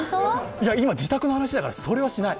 今、自宅の話だからそれはしない。